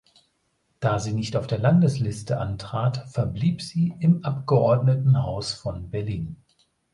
Da sie nicht auf der Landesliste antrat, verblieb sie im Abgeordnetenhaus von Berlin.